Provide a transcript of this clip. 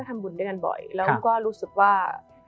ทำบุญด้วยกันบ่อยแล้วก็รู้สึกว่า